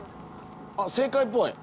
あっ正解っぽい。